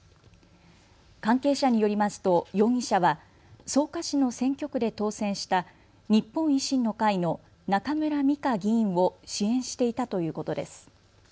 関係者によりますと容疑者は草加市の選挙区で当選した日本維新の会の中村美香議員を支援していたということです。